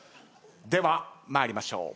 では参りましょう。